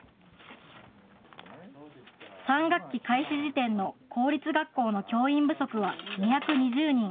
３学期開始時点の公立学校の教員不足は２２０人。